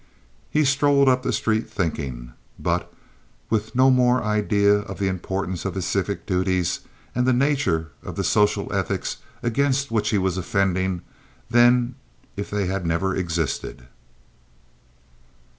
He strolled up the street thinking, but with no more idea of the importance of his civic duties and the nature of the social ethics against which he was offending than if they had never existed.